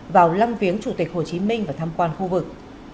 vào lăng viếng chủ tịch hồ chí minh và tham quan khu vực